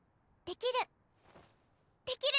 できる。